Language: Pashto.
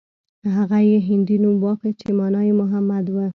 هغه يې هندي نوم واخيست چې مانا يې محمد و.